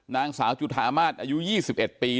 นางสาวจุธามาศอายุ๒๑ปี